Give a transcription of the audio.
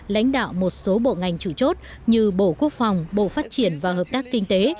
lãnh đạo một số bộ ngành chủ chốt như bộ quốc phòng bộ phát triển và hợp tác kinh tế